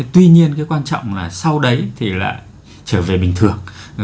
tuy nhiên cái quan trọng là sau đấy thì lại trở về bình thường